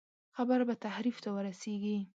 خبره به تحریف ته ورسېږي.